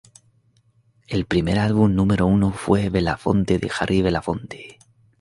El primer álbum número uno fue "Belafonte" de Harry Belafonte.